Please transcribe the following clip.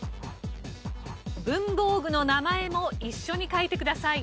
文房具の名前も一緒に書いてください。